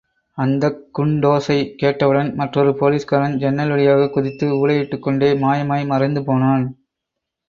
அந்தக் குண்டோசை கேட்டவுடன் மற்றொரு போலிஸ்காரன் ஜன்னல் வழியாகக் குதித்து, ஊளையிட்டுக்கொண்டே மாயமாய் மறைந்து போனான்.